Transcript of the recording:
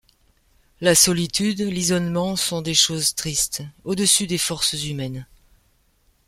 La solitude, l’isolement sont choses tristes, au-dessus des forces humaines. ..